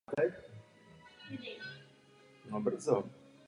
Obvykle jej doprovází časté močení a další symptomy.